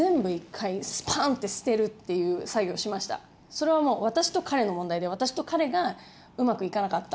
それはもう私と彼の問題で私と彼がうまくいかなかった。